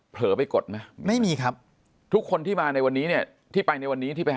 เผลอไปกดไหมไม่มีครับทุกคนที่มาในวันนี้เนี่ยที่ไปในวันนี้ที่ไปหา